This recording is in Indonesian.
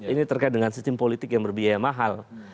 ini terkait dengan sistem politik yang berbiaya mahal